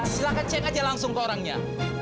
silahkan cek aja langsung ke orangnya